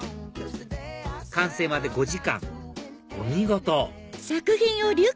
完成まで５時間お見事！